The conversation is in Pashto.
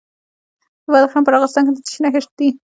د بدخشان په راغستان کې د څه شي نښې دي؟